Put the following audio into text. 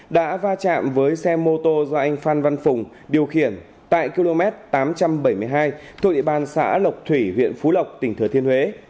đã va chạm với xe mô tô do anh phan văn phùng điều khiển tại km tám trăm bảy mươi hai thuộc địa bàn xã lộc thủy huyện phú lộc tỉnh thừa thiên huế